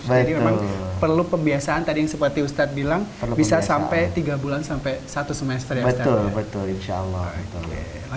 memang perlu pembiasaan tadi yang seperti ustadz bilang bisa sampai tiga bulan sampai satu semester ya